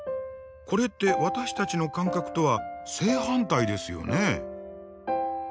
これって私たちの感覚とは正反対ですよね。